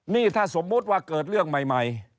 นี่ถ้าสมมุติว่าเกิดเรื่องใหม่